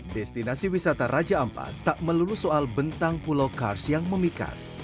destinasi wisata raja ampat tak melulu soal bentang pulau kars yang memikat